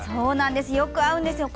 よく合うんですよ。